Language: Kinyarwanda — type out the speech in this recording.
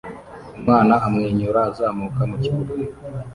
Umwana amwenyura azamuka mukibuga